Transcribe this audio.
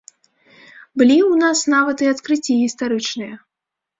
Былі ў нас нават і адкрыцці гістарычныя!